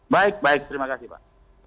baik baik terima kasih pak